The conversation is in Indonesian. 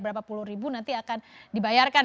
berapa puluh ribu nanti akan dibayarkan